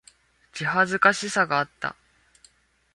気恥ずかしさがあった。